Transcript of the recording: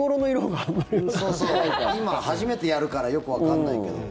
今、初めてやるからよくわかんないけど。